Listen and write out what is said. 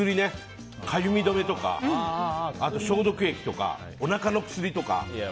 かゆみ止めとかあと消毒液とかおなかの薬とか。